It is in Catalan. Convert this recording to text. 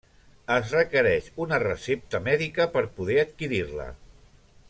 Es requereix una recepta mèdica per poder adquirir-la.